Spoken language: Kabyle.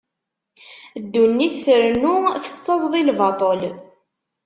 Ddunit trennu, tettaẓ di lbaṭel.